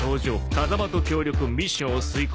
「カザマと協力ミッションを遂行」